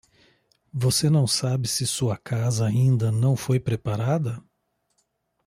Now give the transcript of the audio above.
Você não sabe se sua casa ainda não foi preparada?